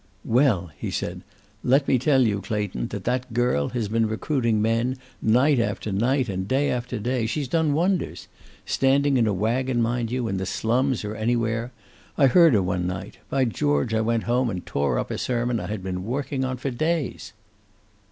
"Well!" he said. "Let me tell you, Clayton, that that girl has been recruiting men, night after night and day after day. She's done wonders. Standing in a wagon, mind you, in the slums, or anywhere; I heard her one night. By George, I went home and tore up a sermon I had been working on for days."